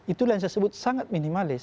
itulah yang saya sebut sangat minimalis